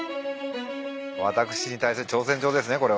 私に対する挑戦状ですね